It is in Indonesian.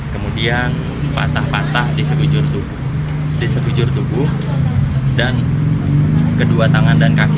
kemudian patah patah di sebujur tubuh di sebujur tubuh dan kedua tangan dan kaki